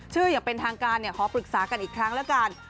ชื่อยังเป็นทางการเนี่ยขอปรึกษากันอีกครั้งแล้วกัน